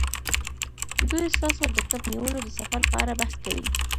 دوی ستاسو د کب نیولو د سفر په اړه بحث کوي